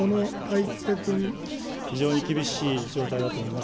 非常に厳しい状態だと思います。